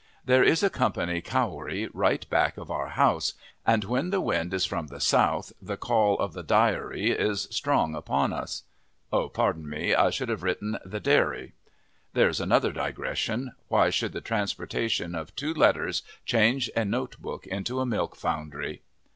There is a company cowary right back of our house, and when the wind is from the south the call of the diary is strong upon us. Pardon me, I should have written the dairy. There's another digression. Why should the transportation of two letters change a notebook into a milk foundry?